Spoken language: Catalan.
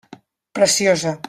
Preciosa.